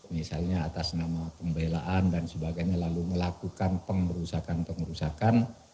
misalnya atas nama pembelaan dan sebagainya lalu melakukan pengerusakan pengerusakan